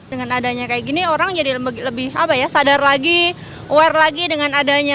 dengan adanya kayak gini orang jadi lebih sadar lagi aware lagi dengan adanya